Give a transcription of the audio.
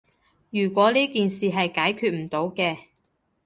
如果呢件事係解決唔到嘅